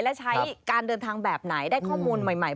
และใช้การเดินทางแบบไหนได้ข้อมูลใหม่